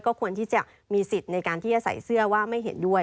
ควรที่จะมีสิทธิ์ในการที่จะใส่เสื้อว่าไม่เห็นด้วย